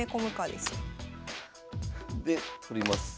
で取ります。